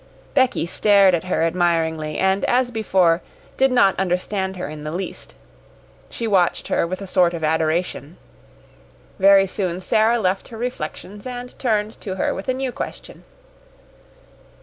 Becky stared at her admiringly, and, as before, did not understand her in the least. She watched her with a sort of adoration. Very soon Sara left her reflections and turned to her with a new question.